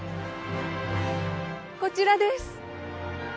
こちらです！